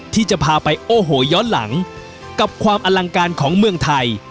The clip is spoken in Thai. ที่จะพาไปโอ้โหย้อนหลังกับความอลังการของเมืองไทย